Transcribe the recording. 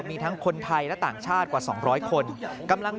มีทั้งคนไทยและต่างชาติกว่า๒๐๐คนกำลัง